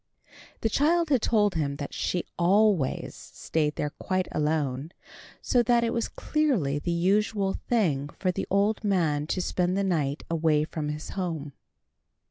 The child had told him that she always stayed there quite alone; so that it was clearly the usual thing for the old man to spend the night away from his home.